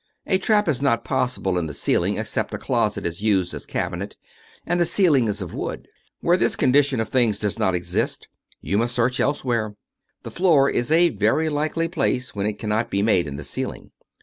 A trap is not possible in the ceiling except a closet is used as '' cabinet," and the ceiling is of wood. Where this condition of things does not exist, you must search elsewhere. The floor is a very likely place when it cannot be made in the ceiling.